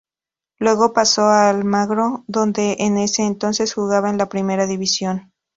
Luego pasó a Almagro donde en ese entonces jugaba en la Primera división.